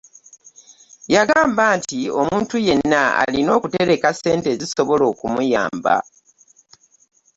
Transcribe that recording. Yaŋŋamba nti omuntu yenna alina okutereka ssente ezisobola okumuyamba.